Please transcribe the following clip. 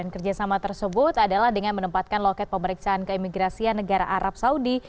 kerjasama tersebut adalah dengan menempatkan loket pemeriksaan keimigrasian negara arab saudi